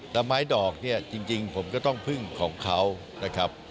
แต่ไม้ดอกเนี่ยจริงผมก็ต้องพึ่งของเขานะครับ